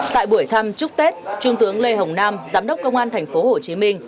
tại buổi thăm chúc tết trung tướng lê hồng nam giám đốc công an thành phố hồ chí minh